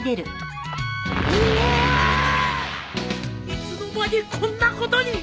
いつの間にこんなことに。